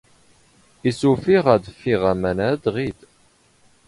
ⵉⵙ ⵓⴼⵉⵖ ⴰⴷ ⴼⴼⵉⵖ ⴰⵎⴰⵏ ⴰⴷ ⵖⵉⴷ?